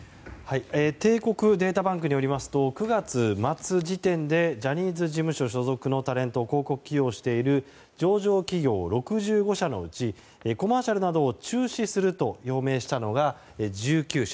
帝国データバンクによりますと９月末時点でジャニーズ事務所所属のタレントを広告起用している上場企業６５社のうちコマーシャルなどを中止すると表明したのが１９社。